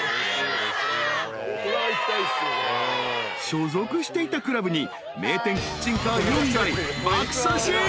［所属していたクラブに名店キッチンカー４台爆差し入れ］